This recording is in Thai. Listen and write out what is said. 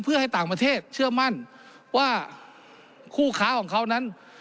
เพื่อให้ต่างประเทศเชื่อมั่นว่าคู่ค้าของเขานั้น